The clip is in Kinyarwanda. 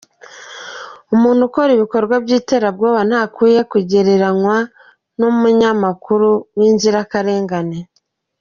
Umuntu ukora ibikorwa by’iterabwoba ntakwiye kugereranywa n’umunyamakuru w’inzirakarengane.”